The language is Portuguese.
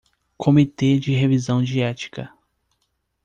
Comitê de revisão de ética